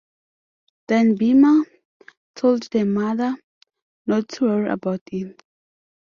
Then Bhima told the mother not to worry about it.